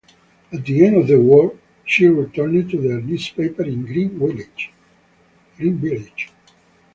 At the end of the war she returned to their newspaper in Greenville.